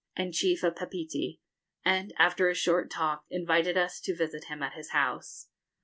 and chief of Papeete, and, after a short talk, invited us to visit him at his house.